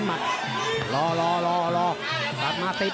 นี่สิกพลังชาติ